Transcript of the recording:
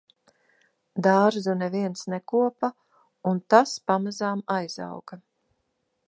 Dārzu neviens nekopa un tas pamazām aizauga.